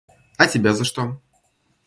А тебя за что?